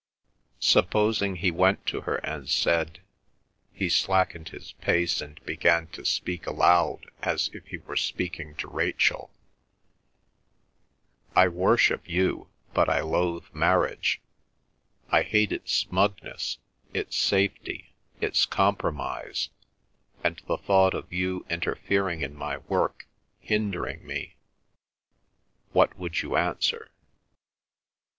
Supposing he went to her and said (he slackened his pace and began to speak aloud, as if he were speaking to Rachel): "I worship you, but I loathe marriage, I hate its smugness, its safety, its compromise, and the thought of you interfering in my work, hindering me; what would you answer?"